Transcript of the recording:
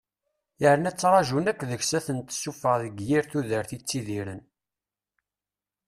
Yerna ttrajun akk deg-s ad ten-tessuffeɣ deg yir tudert i ttidiren.